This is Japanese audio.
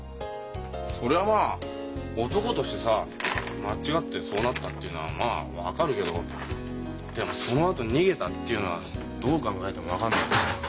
そりゃまあ男としてさ間違ってそうなったっていうのはまあ分かるけどでもそのあと逃げたっていうのはどう考えても分かんねえ。